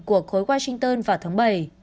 của khối washington vào tháng bảy